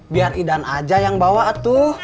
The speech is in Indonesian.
biar idan aja yang bawa tuh